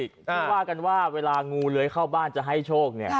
ผู้ที่ว่ากันว่าเวลางูเรือยเข้าบ้านจะให้โชค